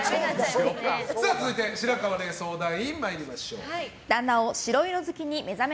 続いて、白河れい相談員参りましょう。